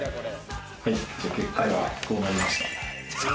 結果は、こうなりました。